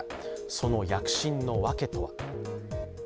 その躍進のワケとは？